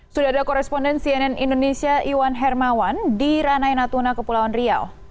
sudah ada koresponden cnn indonesia iwan hermawan di ranai natuna kepulauan riau